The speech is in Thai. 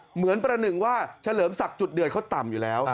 เหมือนประหนึ่งว่าเฉลิมศักดิ์จุดเดือดเขาต่ำอยู่แล้ว